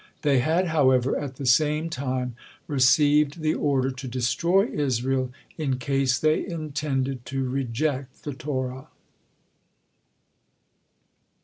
They had, however, at the same time received the order to destroy Israel in case they intended to reject the Torah.